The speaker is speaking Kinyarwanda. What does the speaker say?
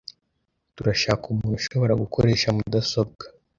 Turashaka umuntu ushobora gukoresha mudasobwa.